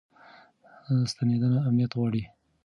ستنېدنه امنیت غواړي.